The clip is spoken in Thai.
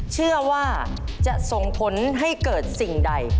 เชื่อว่าจะส่งผลให้เกิดสิ่งใด